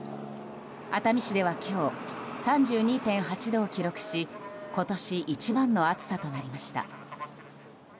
熱海市では今日３２．８度を記録し今年一番の暑さとなりました。